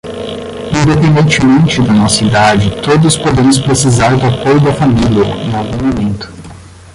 Independentemente da nossa idade, todos podemos precisar do apoio da família em algum momento.